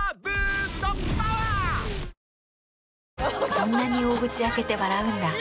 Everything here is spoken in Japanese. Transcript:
そんなに大口開けて笑うんだ。